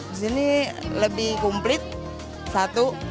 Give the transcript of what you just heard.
di sini lebih kumplit satu